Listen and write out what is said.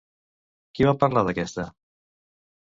Qui va parlar d'aquesta?